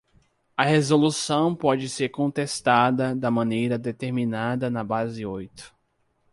A resolução pode ser contestada da maneira determinada na base oito.